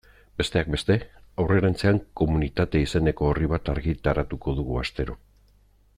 Besteak beste, aurrerantzean Komunitatea izeneko orri bat argitaratuko dugu astero.